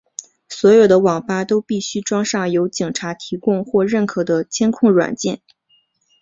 所有的网吧都必须装上由警察提供或认可的监控软件。